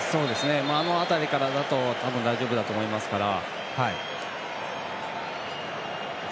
あの辺りからだと多分大丈夫だと思いますから。